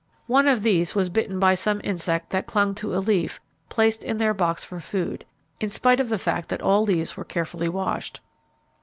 One of these was bitten by some insect that clung to a leaf placed in their box for food, in spite of the fact that all leaves were carefully washed.